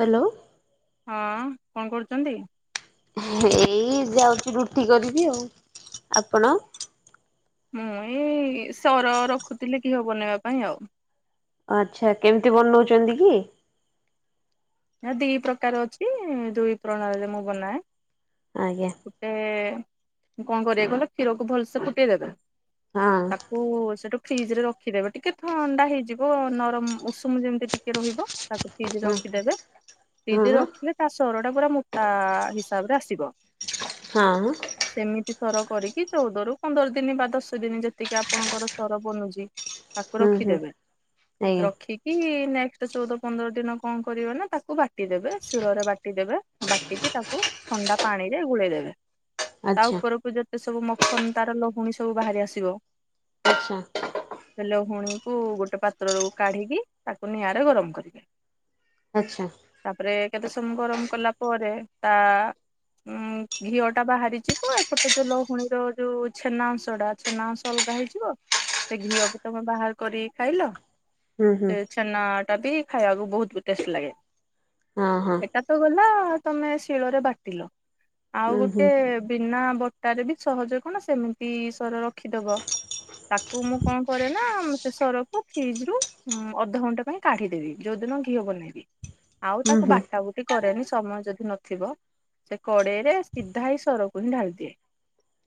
Hello. ହଁ କଣ କରୁଛନ୍ତି? ଏଇ ଯାଉଛି ରୁଟି କରିବି ଆଉ ଆପଣ? ମୁଁ ଏଇ ସର ରଖୁଥିଲି ଘଅ ବନେଇବା ପାଇଁ ଆଉ। ଆଚ୍ଛା କେମିତି ବନଉଛନ୍ତି କି? ନା ଦି ପ୍ରକାର ଅଛି ଦୁଇ ପ୍ରଣାଳୀରେ ମୁଁ ବନାଏ। ଆଜ୍ଞା ଗୋଟେ କଣ କରିବେ କହିଲେ କ୍ଷୀରକୁ ଭଲସେ ଫୁଟେଇଦେବେ। ହଁ ତାକୁ ସେଠୁ ଫ୍ରିଜ ରେ ରଖିଦେବେ ଟିକେ ଥଣ୍ଡା ହେଇଯିବ ନରମ ଉଷୁମ ଯେମିତି ଟିକେ ରହିବ। ତାକୁ ଫ୍ରିଜ ରେ ହଁ ରଖିଦେବେ ଫ୍ରିଜ ରେ ହଁ ରଖିଲେ ତା ସର ସେଟା ପୁରା ମୋଟା ହିସାବ ରେ ଆସିବ। ହଁ। ସେମିତି ସର କରିକି ଚଉଦରୁ ପନ୍ଦର ଦିନ ବା ଦଶ ଦିନ ଯେତିକି ଆପଣଙ୍କର ସର ବନୁଛି ତାକୁ ହୁଁ ହୁଁ ରଖିଦେବେ ଆଜ୍ଞା। ରଖିକି ନେକ୍ ତ ଚଉଦ ପନ୍ଦର ଦିନ କଣ କରିବ ନା ତାକୁ ବାଟିଦେବେ ଶିଳରେ ବାଟି ଦେବେ ବାଟିକି ତାକୁ ଥଣ୍ଡା ପାଣି ରେ ଗୋଳେଇଦବେ। ତା ଆଚ୍ଛା ଉପରକୁ ଯେତେ ସବୁ ମ ଖ ତାର ଲହୁଣୀ ସବୁ ବାହାରି ଆସିବ। ଆଛା। ଲହୁଣୀକୁ ଗୋଟେ ପାତ୍ରରୁ କାଢିକି ତାକୁ ନିଆଁରେ ଗରମ କରିବେ। ଆଚ୍ଛା। ତାପରେ କେତେ ସମମ ଗରମ କଲା ପରେ ତା ଉଁ ଘିଅ ଟା ବାହାରିଯିବ ଏପଟ ଯୋଉ ଲହୁଣୀର ଯୋଉ ଛେନା ଅଂଶ ଟା ଛେନା ଅଂଶ ଅଲଗା ହେଇଯିବ ସେ ଘିଅ ବି ତମେ ବାହାର କରି ଖାଇଲ ହୁଁ ହୁଁ ସେ ଛେନାଟା ବି ଖାଇବାକୁ ବହୁତ ବି ଟେଷ୍ଟ ଲାଗେ। ହଁ ହଁ ହେଇଟା ତ ଗଲା ତମେ ଶିଳରେ ବାଟିଲ? ଆଉ ହୁଁ ଗୋଟେ ହୁଁ ବିନା ବ ତାର ବି ସହଜ କଣ ସେମିତି ସର ରଖିଦବ ତାକୁ ମୁଁ କଣ କରେ ନା ସେ ସରକୁ ଫ୍ରିଜ ରୁ ଅଧଘଣ୍ଟା ପାଇଁ କାଢ଼ିଦେବି ଯଉଦିନ ଘିଅ ବନେଇବି ଆଉ ହୁଁ ତାକୁ ହୁଁ। ବାଟା ବୁଟି କରେନି ସବୁ ସମୟ ଯଦି ନଥିବ ସେ କଡେଇ ରେ ସିଧା ହି ସରକୁ ହିଁ ଢାଳି ଦିଏ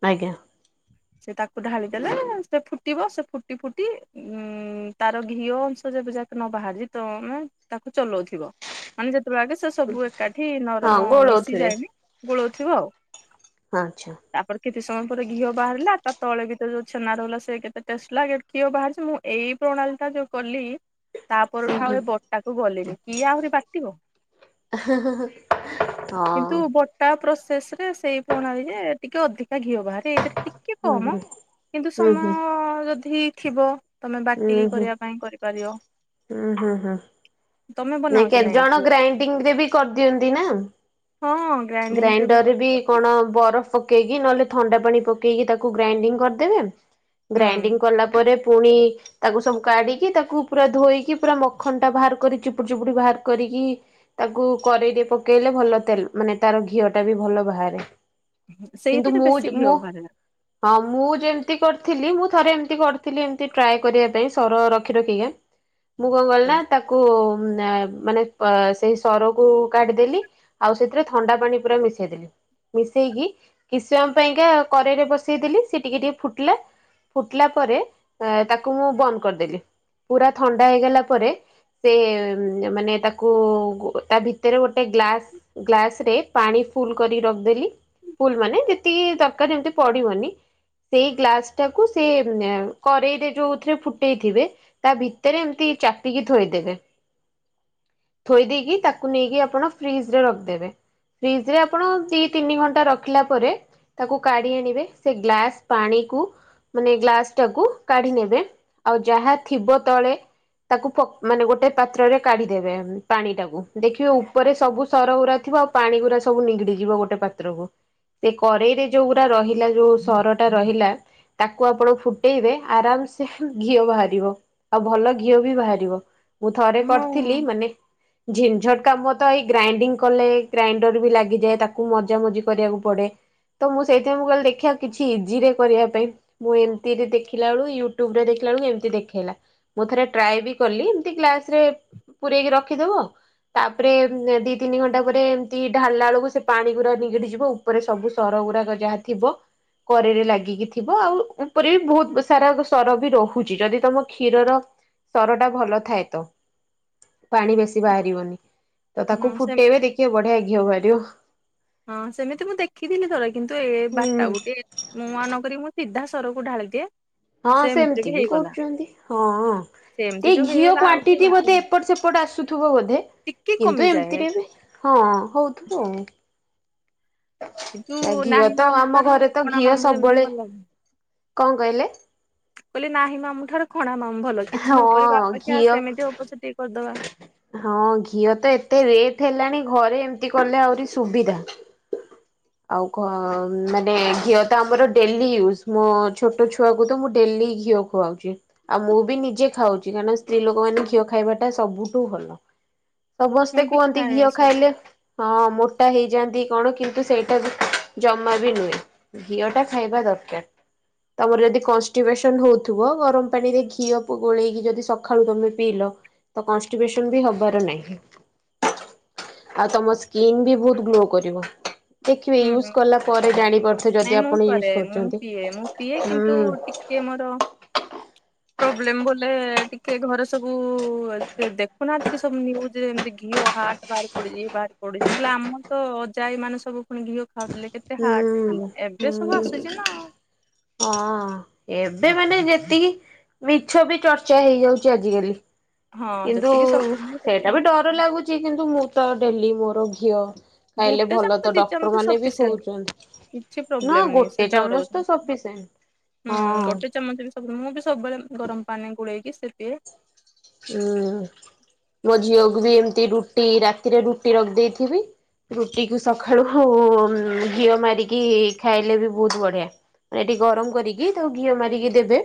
ଆଜ୍ଞା ସେ ତାକୁ ଢାଳିଦଲେ ସେ ଫୁଟିବ ସେ ଫୁଟି ଫୁଟି ଉଁ ତାର ଘିଅ ଅଂଶ ଯେବେ ଯାକ ନ ବାହାରିଛି ତମେ ତାକୁ ଚଲଉଥିବ ମାନେ ଯେ ସେତେ ଆଗେ ସେ ସବୁ ଏକାଠି ହଁ ନରମ ଗୋଳଉଥିବେ ମିଶିଯାଏନି- ଗୋଳଉଥିବ ଆଉ। ଆଚ୍ଛା। [unintelligible] ପରେ ଘିଅ ବାହାରିଲା ତା ତଳେ ଭିତରେ ଯୋଉ ଛେନା ରହିଲା ସେ କେତେ ଟେଷ୍ଟ ଲାଗେ ଘିଅ ବାହାରିଚି। ମୁଁ ଏଇ ପ୍ରଣାଳୀ ଟା ଯୋଉ କଲି ତାପରଠୁ ହୁଁ ଆଉ ହୁଁ ଏ ହଁ। ବଟାକୁ ଗଲିନି କିଏ ଆହୁରି ବାଟିବ ହୁଁ ହୁଁ କିନ୍ତୁ ବ ପ୍ରୋସେସରେ ସେଇ ପ୍ରଣାଳୀରେ ଟିକେ ଅଧିକା ଘିଅ ବାହାରେ ଏଇଥିରେ ଟିକେ ହୁଁ ହୁଁ କମ୍ ହୁଁ କିନ୍ତୁ ସମୟ ହୁଁ ଯଦି ହେଇଥିବ। ତମେ ବାଟିକି ହୁଁ ହୁଁ। କରିବା ପାଇଁ କରିପାରିବ। ତମେ ନାଁଇ ବନାଅ କି କେତେ ନାଇଁ ଜଣ ଘିଅ କେବେ? ଗ୍ରାଇଣ୍ଡିଙ୍ଗରେ ବି କରିଦିଅନ୍ତି ନା। ହଁ ଗ୍ରାଇଣ୍ଡିଙ୍ଗ ରେ ଗ୍ରାଇଣ୍ଡରରେ ବି କରିପାରିବି। କଣ ବରଫ ପକେଇକି ନହେଲେ ଥଣ୍ଡା ପାଣି ପକେଇକି ତାକୁ ଗ୍ରାଇଣ୍ଡିଂ କରିଦେବେ। ଗ୍ରାଇଣ୍ଡିଙ୍ଗ ହୁଁ କଲା ପରେ ପୁଣି ତାକୁ ସବୁ କାଢିକି ତାକୁ ପୁରା ଧୋଇକି ପୁରା ମଖନ ଟା ବାହାର କରି ଚୁ ପୁଡି ଚୁପୁଡି ବାହାର କରିକି ତାକୁ କରେଇରେ ପକେଇଲେ ଭଲ ତେଲ ମାନେ ତାର ଘିଅ ଟା ବି ଭଲ ବାହାରେ। କିନ୍ତୁ ସେଇଥିରେ ମୁଁ ବେଶୀ ଘିଅ ମୁଁ ବାହାରେ ନା ହଁ ମୁଁ ଯେମତି କରିଥିଲି ମୁଁ ଥରେ ଏମିତି କରିଥିଲି ଏମିତି ଟ୍ରାଏ କରିବା ପାଇଁ ସର ରଖି ରଖିକା ମୁଁ କଣ କରିଲି ନା ତାକୁ ମାନେ ସେଇ ସରକୁ କାଢ଼ିଦେଲି ଆଉ ସେଥିରେ ଥଣ୍ଡା ପାଣି ପୁରା ମିଶାଇଦେଲି ମିଶେଇକି କିଛ ସମୟ ପାଇଁକା କରେଇରେ ବସେଇଦେଲି ସେ ଟିକେ ଟିକେ ଫୁଟିଲା ଫୁଟିଲା ପରେ ତାକୁ ମୁଁ ବନ୍ଦ କରିଦେଲି ପୁରା ଥଣ୍ଡା ହେଇଗଲା ପରେ ସେ- ମାନ ତାକୁ ତା ଭିତରେ ଗୋଟେ ଗ୍ଲା ଗ୍ଲାସରେ ପାଣି ଫୁଲ କର ରଖିଦେଲି ମାନେ ଯେତିକି ଦରକାର ଯେମ ପଡିବନି ସେଇ ଗ୍ଲାସ ଟାକୁ ସେ କରେଇରେ ଯୋଉରେ ଫୁଟେଇଥିବେ ତା ଭିତରେମ ଚାପିକି ଥୋଇଦେବେ ଥୋଇ ଦେଇକି ତାକୁ ନେଇକି ଆପଣ ଫ୍ରିଜ ରେ ରଖିଦେବେ ଫ୍ରିଜ ରେ ଆପଣ ଦି ତିନି ଘଣ୍ଟା ରଖିଲା ପରେ ତାକୁ କାଢି ଆଣିବେ ସେ ଗ୍ଲାସ ପାଣିକୁ ମାନେ ଗ୍ଲାସ ଟାକୁ କାଢି ନେବେ ଆଉ ଯାହା ଥିବ ତଳେ ତାକୁ ମାନେ ଗୋଟେ ପାତ୍ରରେ- କାଢିଦେବେ ପାଣି ଟାକୁ ଦେଖିବେ ଉପରେ ସବୁ ସରଗୁରା ଥିବ ଆଉ ପାଣି ଗୁଡା ସବୁ ନିଗଡିଯିବ ଗୋଟେ ପାତ୍ରକୁ ସେ କରେେଇରେ ଯୋଉ ଗୁଡା ରହି- ରା ଯଉ ସରଟା ରହିଲା ତାକୁ ଆପଣ- ଫୁଟେଇବେ ଆରାମସେ ଘିଅ ବାହାରିବ ଆଉ ଭଲ ଘିଅ ବି ବାହାରିବ ମୁଁ ଥରେ ହଁ କରି - ଥିଲି ମାନେ ଝିନଝଟ କାମ ତ ଏଇ ଗ୍ରାଇଣ୍ଡିଙ୍ଗ କଲେ ଗ୍ରାଇଣ୍ଡର ବି ଲାଗିଯାଏ ତାକୁ ମଜା ମଜି କରିବାକୁ ପଡେ ତ ମୁଁ ସେଇଥିପାଇଁ ମୁଁ କହିଲି ଦେଖିବା କିଛି ଇଜିରେ କରିବା ପାଇଁ ମୁଁ ଏମିତିରେ ଦେଖିଲା ବେଳକୁ ୟୁଟ୍ୟୁବରେ ଦେଖିଲା ବେଳ ଏମିତି ଦେଖେଇଲା ମୁଁ ଥରେ ଟ୍ରାଏ ବି କଲି ଏମତି ଗ୍ଲାସ୍ ରେ ପୂରେଇକି ରଖିଦବ ତାପରେ ଦି ତିନି ଘଣ୍ଟା ପରେ ଏମିତି ଢାଳିଲା ବେଳକୁ ସେ ପାଣି ଗୁଡା ନିଗିଡି ଯିବ ଉପରେ ସବୁ ସର ଗୁଡାକ ଯାହା ଥିବ କରେରେ ଲାଗିକି ଥିବ ଆଉ ଉପରେ ବି ବହୁତ ସାରା ସର ବି ରହୁଛି ଯଦି ତମ କ୍ଷୀରର ସର ଟା ଭଲ ଥାଏ ତ ପାଣି ବେଶୀ ବାହାରିବନି ତ ହଁ ତାକୁ ସେ ଫୁଟେଇବେ ଦେଖିବେ ବଢିଆ ଘିଅ ବାହାରିବ ହଁ ସେମିତି ମୁଁ ଦେଖିଥିଲି ଥରେ କିନ୍ତୁ ଏ ହୁଁ। ବାଟା ବୁଟି ମୁୂଆ ନକ ମୁଁ ସିଧା ସରକୁ ଢାଳି ଦିଏ। ହଁ ସେମିତି ବି କରୁଛନ୍ତି ହଁ ସେ ଏମିତି ଟ ଯୋଉ ଘିଅ ହେଇଗଲା ଆଉ କିଏ କ୍ଵଣ୍ଟିଟି ବାଟିବ ବୋଧେ ଏପଟ ସେପଟ ଆସୁଥିବ ବୋଧେ ଟିକେ କିନ୍ତୁ କମିଯାଏ। ଏମିତିରେ ବି ହଁ ହଉଥିବ ଆଉ। କିନ୍ତୁ ଘିଅ ନାହିଁ ତ ମାମୁ ଆମ ଠାରୁ ଘରେ ତ କଣା ଘିଅ ମାମୁ ଯେମିତି ସବୁବେଳେ ଭଲ ଲାଗୁି କଣ କହିଲେ? ବୋଲି ନାହିଁ ମାମୁଁ ଠାରୁ କଣା ମାମୁଁ ଭଲ କିଛି ହଁ ନ କରିବା ଅପେକ୍ଷା ଘିଅ ସେମିତି ହଉ ପଛେ ଟିକେ କରିଦବା। ହଁ ଘିଅ ତ ଏତେ ରେଟ୍ ହେଲାଣି। ଘରେ ଏମତି କଲେ ଆହୁରି ସୁବିଧା ଆଉ ମାନେ ଘିଅ ତ ଆମର ଡେଲି ୟୁଜ ଛୋଟ ଛୁଆକୁ ମୁଁ ତ ଡେଲି ଘିଅ ଖୁଆଉଛି ଆଉ ମୁଁ ବି ନିଜେ ଖାଉଛି କାରଣ ସ୍ତ୍ରୀ ଲୋକମାନେ ଘିଅ ଖାଇବା ଟା ସବୁଠୁ ଭଲ। ମୁଁ ସମସ୍ତେ ବି କୁହନ୍ତି ଖାଏ ଘିଅ ସବୁ ଖାଇଲେ ହଁ। ମୋଟା ହେଇଯାଆନ୍ତି କଣ କିନ୍ତୁ ସେଇଟା ଜମା ବି ନୁହେଁ ଘିଅ ଟା ଖାଇବା ଦରକାର ତମର ଯଦି କନଷ୍ଟିବେସନ ହୋଉଥିବା ଗରମ ପାଣିରେ ଘିଅ ଗୋଳେଇକି ଯଦି ସକାଳୁ ତମେ ପିଇଲ ତ କନଷ୍ଟିବେସନ ବି ହବାର ନାହିଁ ଆଉ ତମ ସ୍କିନ୍ ବି ବହୁତ ଗ୍ଲୋ କରିବ। ଦେଖିବେ ୟୁଜ୍ ହୁଁ କଲା ପରେ ଜାଣିପାରୁଥିବେ ନାଇଁ ଯଦି ମୁଁ ଆପଣ କରେ ୟୁଜ୍ ମୁଁ କରୁଛନ୍ତି ପିଏ ମୁଁ ପିଏ କିନ୍ତୁ ଟିକେ ମୋର ହୁଁ। ପ୍ରୋବ୍ଲେମ ବୋଲେ ଟିକେ ଘରେ ସବୁ ଦେଖୁନାହାନ୍ତିେ ସବୁ ନିୁଜ ଏମିତି ଘିଅ ହାଟ ବାହାରି ପଡିଛି ବାହାରି ପଡଛି ମୁଁ କହିଲେ ଆମର ତ ଅଜାଇ ମାନେ ସବୁ ପୁଣି ଘିଅ ଖାଉଥିଲେ। ଏତେ ହାର୍ଟ ଥିଲା ହୁଁ ଏବେ ସବୁ ହୁଁ ଆସୁଛି ନା ଆଉ। ହଁ ଏବେ ମାନେ ଯେତିକି ମିଛ ବି ଚର୍ଚ୍ଚା ହେଇଯାଉଛି ଆଜିକାଲି। ହଁ କିନ୍ତୁ ଯେତିକି ସତ ନାହିଁ ସେତିକି ସେଇଟା ବି ମିଛ ଡର ଲାଗୁଛି କିନ୍ତୁ ମୁଁ ତ ଡେଲି ମୋର ଘିଅ ଖାଇଲେ ଗୋଟେ ଭଲ ଚାମଚ ତ ଦି ଡକ୍ଟର ଚାମଚ ମାନେ ବି ସଫିସିଏଣ୍ଟ କିଛି କହୁଛନ୍ତି ନା ପ୍ରୋବ୍ଲେମ ନାହିଁ ସେ ଗୋଟେ ଚାମଚ ତ ଡରଉଛନ୍ତି ସବୁ ହୁଁ ଗୋଟେ ଚାମଚ ବି ସବୁ ମୁଁ ବି ସବୁବେଳେ ଗରମ ପାଣିରେ ଗୋଳେଇକି ସେ ପିଏ। ଉଁ ମୋ ଝିଅକୁ ବି ଏମିତି ରୁଟି ରାତିରେ ରୁଟି ରଖିଦେଇଥିବି ରୁଟିକୁ ସକାଳୁ ଘିଅ ମାରିକି ଖାଇଲେ ବି ବହୁତ ବଢିଆ ମାନେ ଏଠି ଗରମ କରିକି ତାକୁ ଘିଅ ମାରିକି ଦେବେ।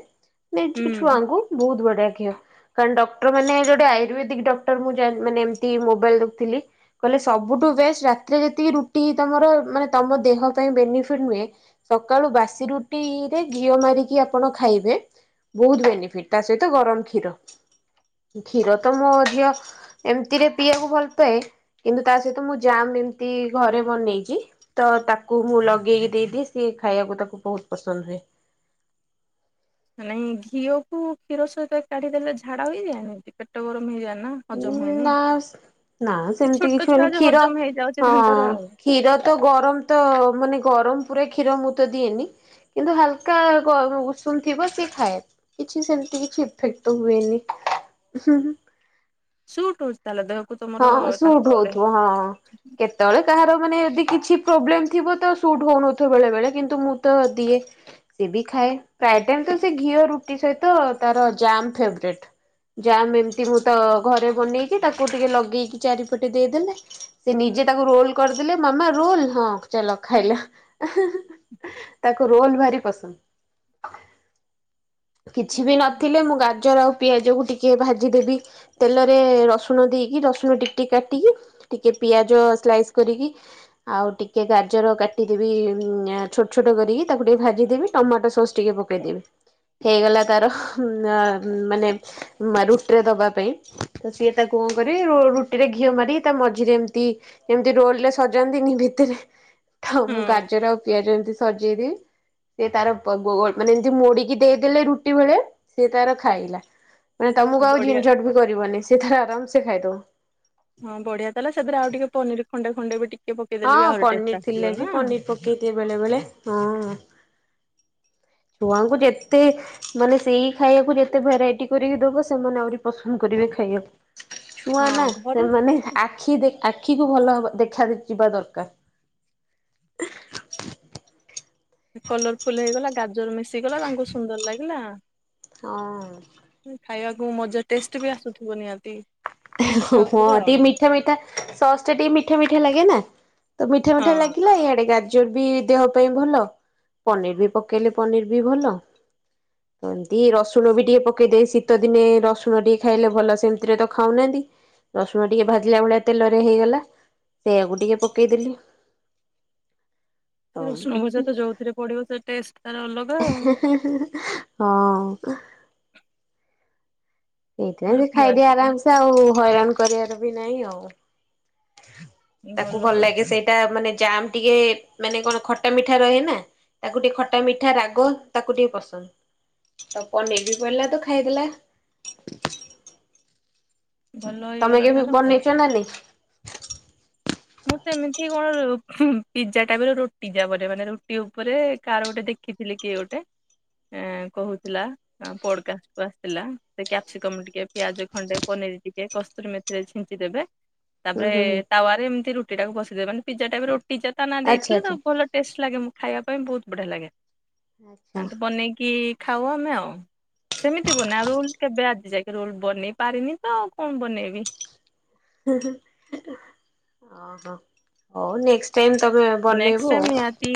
ନେଇଛି କି ହୁଁ ଛୁଆଙ୍କୁ ବହୁତ ବଢିଆ। ଆଜ୍ଞା। କାରଣ ଡକ୍ଟର ମାନେୋଟେ ଆୟୁର୍ବେଦିକ ଡକ୍ଟର ମୁଁ ମାନେ ଏମିତି ମୋବାଇଲ ଦେଖଥିଲି କହିଲେ ସବୁଠୁ ବେଷ୍ଟ ରାତିରେ ଯେତିକି ରୁଟି ତମର ମାନେ ତମ ଦେହ ପାଇଁ ବେନିଫିଟ ନୁହେଁ ସକାଳୁ ବାସି ରୁଟିରେ ଘିଅ ମାରିକି ଆପଣ ଖାଇବେ ବହୁତ ବେନିଫିଟ ତା ସହିତ ଗରମ କ୍ଷୀର। କ୍ଷୀର ତ ମୋ ଝିଅ ଏମିତିରେ ପିଇବାକୁ ଭଲ ପାଏ କିନ୍ତୁ ତା ସହିତ ମୁଁ ଜାମ୍ ଏମିତି ଘରେ ବନେଇଛି ତ ତାକୁ ମୁଁ ଲଗେଇକି ଦେଇଦିଏ ସିଏ ଖାଇବାକୁ ତାକୁ ବହୁତ ପସନ୍ଦ ହୁଏ। ନାଇଁ ଘିଅକୁ କ୍ଷୀର ସହିତ କାଢିଦେଲେ ଝାଡା ହେଇଯାଏନି ପେଟ ଗରମ ହେଇଯାଏନି। ନା ନା ସେ ସେମିତି ଛୋଟ କିଛି ହୁଏନି ଛୁଆ ଯେ କ୍ଷୀର ହଜମ ହେଇଯାଉଛି ହଁ ତାଙ୍କର ଆଉ। କ୍ଷୀର ତ ଗରମ ତ ମାନେ ଗରମ। ପୁରା କ୍ଷୀର ମୁଁ ତ ଦିଏନି କିନ୍ତୁ ହାଲକା ଉଷୁମ ଥିବ ସିଏ ଖାଏ କିଛି ସେମିତି କିଛି ଇଫେକ୍ଟ ତ ହୁଏନି। ସୁଟ ହଉଛି ତାହେଲେ ଦେହକୁ। ତମର ହଁ ସୁଟ ତାଙ୍କ ହଉଥିବ ଦେହକୁ। ହଁ କେତେବେଳେ କାହାର। ମାନେ ଯଦି କିଛି ପ୍ରୋବଲେମ ଥିବ ତ ସୁଟ ହଉନଥିବ ବେଳେଳେ କିନ୍ତୁ ମୁଁ ତ ଦିଏ ସେ ବି ଖାଏ ଘିଅ ର ସେ ତାରମ ମୁଁ ଘରେ ବେଇକି ତାକୁ ଦେଇକି ଚାରିପଟେ ଦେଇଦେଲେ ସେ ନିଜେ ତାକୁ ରୋଲ କରିଦେଲେ ମାମା ରୋଲ ହଁ ଚାଲ ଖାଇଲା ତାକୁ ରୋଲ ଭାରି ପସନ୍ଦ। କିଛି ବି ନଥିଲେ ମୁଁ ଗାଜର ଆଉ ପିଆଜକୁ ଟିକେ ଭାଜିଦେବି ତେଲରେ ରସୁଣ ଦେଇକି ରସୁଣ ଟିକେ ଟିକେ କାଟିକି ଟିକେ ପିଆଜ ସ୍ଲାଇସ୍ କରିକି ଆଉ ଟିକେ ଗାଜର କାଟିଦେବି ଛୋଟ ଛୋଟ କରିକି ତାକୁ ଟିକେ ଭାଜିଦେବି ଟମାଟୋ ସସ୍ ଟିକେ ପକେଇଦେବି। ହେଇଗଲା ତାର ମାନେ ରୁଟିରେ ଦବା ପାଇଁ ତ ସିଏ ତାକୁ କଣ କରି ରୁଟିରେ ଘିଅ ମାରି ତା ମଝିରେ ଏମତି ଏମିତି ରୋଲରେ ସଜାନ୍ତିନି ଭିତରେ। ହଉ ମୁଁ ହଁ ଗାଜର ଆଉ ପିଆଜ ଏମିତି ସଜେଇ ଦିଏ। ସେ ତାର ପ ଗୋ ମାନେ ଏମିତି ମୋଡିକି ଦେଇଦେଲେ ରୁଟି ଭଳିଆ ସିଏ ତାର ଖାଇଲା। ମାନେ ତମକୁ ଆଉ ବଢିଆ ଝିନଝଟ ବି କରିବନି ସେ ତାର ଆରାମସେ ଖାଇଦଉ। ହଁ ବଢିଆ ତାହେଲେ ସେଥିରେ ଆଉ ଟିକେ ପନିର ଖଣ୍ଡେ ଖଣ୍ଡେ ବି ଟିକେ ପକେଇଦେଲେ ବି ହଁ ଆହୁରି ପନିର ଟେଷ୍ଟ ଥିଲେ ଆସିବ ବି ନା। ପନିର ପକେଇଦିଏ ବେଳେ ବେଳେ ହଁ ଛୁଆଙ୍କୁ ଯେତ୍ ତେ ମାନେ ସେଇ ଖାଇବାକୁ ଯେତେ ଭେରାଇଟି କରିକି ଦବ ସେମାନେ ଆହୁରି ପସନ୍ଦ କରିବେ ଖାଇବାକୁ। ଛୁଆ ନା ହଁ ଘରେ ସେମାନେେ ଆଖି ଦେ ଆଖି ସବୁ ଭଲ ହେବା ଦେଖା ଯିବା ଦରକାର। କଲର ଫୁଲ ହେଇଗଲା ଗାଜର ମିଶି ଆସିଗଲା ତାଙ୍କୁ ସୁନ୍ଦର ଲାଗିଲା। ହଁ। ଖାଇବାକୁ ମଜା ଟେଷ୍ଟ ବି ଆସୁଥିବ ନିହାତି। ସେ ହଁ ଖାଉଥିବେ ଆଉ ଟିକେ ମିଠା ମିଠା ସସ୍ ଟା ଟିକେ ମିଠା ମିଠା ଲାଗେ ନା। ତ ମିଠା ମିଠା ହଁ। ଲାଗିଲା ଇଆଡେ ଗାଜ ର ବି ଦେହ ପାଇଁ ଭଲ। ପନିର ବି ପକେଇଲେ ପନିର ବି ଭଲ। ତ ଏମିତି ରସୁଣ ବି ଟିକେ ପକେଇଦ ଶୀତ ଦିନେ ରସୁଣ ଟିକେ ଖାଇଲେ ଭଲ ସେମିତିରେ ତ ଖାଉନାହାନ୍ତି। ରସୁଣ ଟିକେ ଭାଜିଲା ଭଳିଆ ତେଲରେ ହେଇଗଲା। ସେଇୟାକୁ ଟିକେ ପକେଇଦେଲି। ରସୁଣ ଭଜା ତ ଯୋଉଥିରେ ପଡିବ ସେ ଟେଷ୍ଟ। ତାର ଅଲଗା ଆଉ। ହିଁ ହିଁ ହିଁ ହିଁ ହଁ। [inaudible] ଏଇଥି ପାଇଁ ଆଉ ସେ ପିଆଜ ଖାଇଦିଏ ବି ଆରାମସେ ଆଉ ହଇରାଣ କ ପରିବାର ବି ନାହିଁ ଆଉ। ତାକୁ ଭଲ ଲାଗେ ସେଇଟା ମାନେ ଜାମ୍ ଟିକେ ମାନେ କଣ ଖଟା ମିଠା ରହେ ନା ତାକୁ ଟିକେ ଖଟା ମିଠା ରାଗ ତାକୁ ଟିକେ ପସନ୍ଦ। ଆଉ ପନିର ବି ପଡ଼ିଲା ତ ଖାଇଦେଲା। ଭଲ ତମେ ହେଇଗଲା କେବେ ତାର ଆଉ। ବନେଚ ନା ନାଇଁ? ମୁଁ ସେମିତି କଣ ପିଜ୍ଜା ଟାଇପ ରୁଟି ଯାନ ମାନେ ରୁଟି ଉପରେ କାହାର ଗୋଟେ ଦେଖିଥିଲି କିଏ ଗୋଟେଏ କହୁଥିଲା ପୋଡକାଷ୍ଟ କୁ ଆସିଥିଲା ସେ କ୍ୟାପସିକମ ଟିକେ ପିଆଜ ଖଣ୍ଡେ ପନିର ଟିକେ କସ୍ତୁର ମେଥିରେ ଛିଞ୍ଚି ଦେବେ। ତାପରେ ହୁଁ ହୁଁ ହୁଁ ତାୱାରେ ଏମତି ହେଟାକୁ ବସେଇଦବେ ମାନେ ପଜା ଟାଇପ ର ପିଜା ତା ନା ଆଚ୍ଛା ଦେଇଥିଲେ ତ ଆଚ୍ଛା ଭଲ ଟେଷ୍ଟ ଲାଗେ ମୁଁ ଖାଇବାକୁ ଇଁ ବହୁତ ବଢିଆ ଲାଗେ। ଆ ଆଚ୍ଛା ତ ବନେଇକି ଖାଉ ଆମେ ଆଉ। ସେମିତି ବନା ରୋଲ କେବେ ଆଜି ଯାଇକି ରୋଲ ବନେଇ ପାରିନି ତ ଆଉ କଣ ବନେଇବି। ହିଁ ହିଁ ଓହୋ ହଉ ନ ଟାଇମ ତମେ ନେକ୍ସଟ ବନେଇବୁ ଟାଇମ ଆଉ। ନିହାତି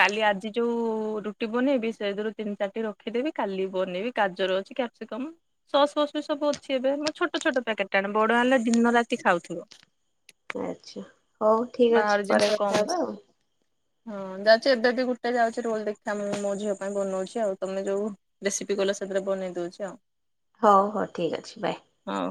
କାଲି ଆଜି ଯୋଉ ରୁଟି ବନେଇବି ସେ ଦରୁ ତିନି ଚାରିଟି ରଖିଦେବି କାଲି ବନେଇବି ଗାଜର ଅଛି କ୍ୟାପସିକମ୍ ସସ୍ ଫସ୍ ବି ସବୁ ଅଛି ଏବେ ମୋ ଛୋଟ ଛୋଟ ପ୍ୟାକେଟ ଟା ଆଣେ ବଡ ହେଲା ଦିନ ରାତି ଖାଉଥିବ। ଆଚ୍ଛା ହଉ ଠିକ ଅଛି ବାହାର ପରେ ଜିନିଷ କମ କଥା ୟୁଜ ହବା ଆଉ। କରିବ। ହଁ ଯାଉଛି ଏବେ ବି ଗୋଟେ ଯାଉଛି ରୋଲ ଦେଖି ମୁମ ମୋ ଝିଅ ପାଇଁ ବନଉଛି ଆଉ ତମେ ଯୋଉ ରେସିପି କଲ ସେଥିରେ ବନେଇ ଦଉଛି ଆଉ। ହଉ ହଉ ଠିକ ଅଛି ବାଏ। ହଉ।